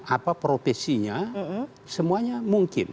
apa profesinya semuanya mungkin